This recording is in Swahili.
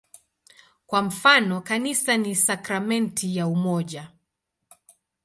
Kwa mfano, "Kanisa ni sakramenti ya umoja".